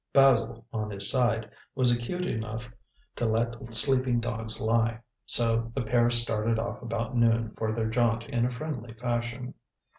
Basil, on his side, was acute enough to let sleeping dogs lie, so the pair started off about noon for their jaunt in a friendly fashion.